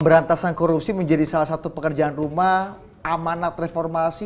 pemberantasan korupsi menjadi salah satu pekerjaan rumah amanat reformasi